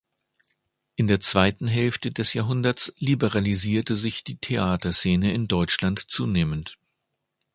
In der zweiten Hälfte des Jahrhunderts liberalisierte sich die Theaterszene in Deutschland zunehmend.